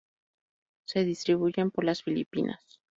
Se distribuyen por las Filipinas.